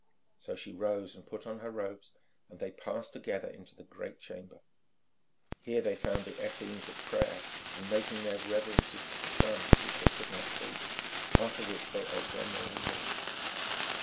So she rose and put on her robes, and they passed together into the great chamber. Here they found the Essenes at prayer and making their reverences to the sun which they could not see, after which they ate their morning meal.